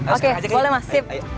oke boleh mas